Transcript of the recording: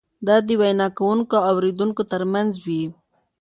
دا د وینا کوونکي او اورېدونکي ترمنځ وي.